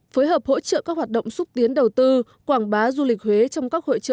phối hợp hỗ trợ các hoạt động xúc tiến đầu tư quảng bá du lịch huế trong các hội trợ